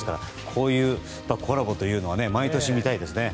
こういうコラボというのは毎年、見たいですね。